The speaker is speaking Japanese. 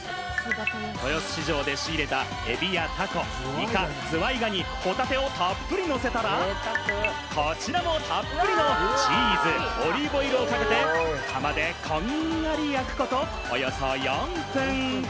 豊洲市場で仕入れたエビやタコ、イカ、ズワイガニ、ホタテをたっぷりのせたら、こちらもたっぷりのチーズ、オリーブオイルをかけて、窯でこんがり焼くこと、およそ４分。